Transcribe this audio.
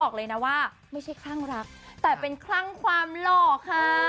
บอกเลยนะว่าไม่ใช่คลั่งรักแต่เป็นคลั่งความหล่อค่ะ